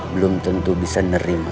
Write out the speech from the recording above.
belum tentu bisa nerima